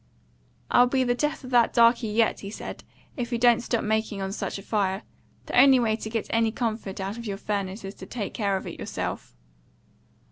"I'll be the death of that darkey YET," he said, "if he don't stop making on such a fire. The only way to get any comfort out of your furnace is to take care of it yourself."